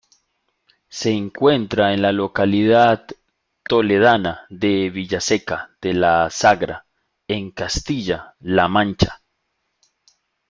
Se encuentra en la localidad toledana de Villaseca de la Sagra, en Castilla-La Mancha.